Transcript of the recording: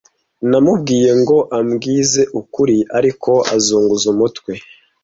Namubwiye ngo ambwize ukuri, ariko azunguza umutwe.